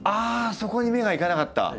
そこに目がいかなかった！